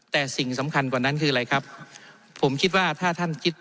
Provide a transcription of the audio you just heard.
แต่สิ่งสำคัญกว่านั้นคืออะไรครับผมคิดว่าถ้าท่านคิด